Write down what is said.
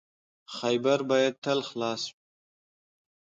خیبر باید تل خلاص وي.